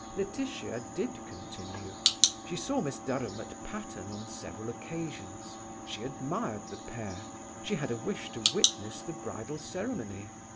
Laetitia did continue. She saw Miss Durham at Patterne on several occasions. She admired the pair. She had a wish to witness the bridal ceremony.